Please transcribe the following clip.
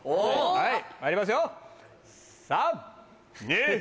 はいまいりますよ。